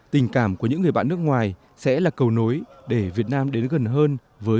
tình cảm của những người bạn nước ngoài sẽ là cầu nối để việt nam đến gần hơn với những người dân trên thế giới